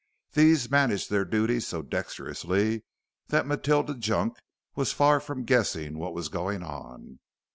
These managed their duties so dexterously that Matilda Junk was far from guessing what was going on.